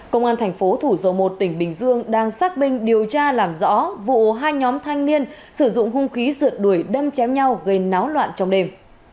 công an thành phố thủ dầu một tỉnh bình dương đang xác minh điều tra làm rõ vụ hai nhóm thanh niên sử dụng hung khí rượt đuổi đâm chém nhau gây náo loạn trong đêm